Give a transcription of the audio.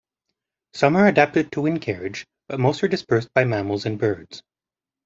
Some are adapted to wind carriage, but most are dispersed by mammals and birds.